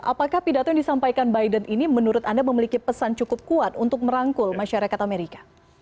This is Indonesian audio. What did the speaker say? apakah pidato yang disampaikan biden ini menurut anda memiliki pesan cukup kuat untuk merangkul masyarakat amerika